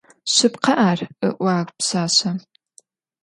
Şsıpkhe ar ,— ı'uağ pşsaşsem.